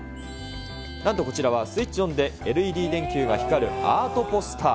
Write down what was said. なんとこちらはスイッチオンで、ＬＥＤ電球が光るアートポスター。